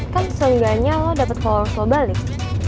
kan selingganya lo dapet followers lo balik